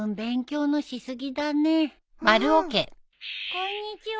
こんにちは。